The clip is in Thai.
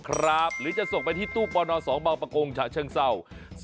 ครับหรือจะส่งไปที่ตู้ป่อนอน๒บปกฉันเชิงเศร้า